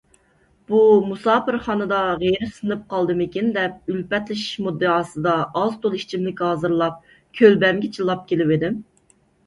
بۇ مۇساپىرخانىدا غېرىبسىنىپ قالدىمىكىن دەپ، ئۈلپەتلىشىش مۇددىئاسىدا ئاز - تولا ئىچىملىك ھازىرلاپ كۆلبەمگە چىللاپ كېلىۋىدىم.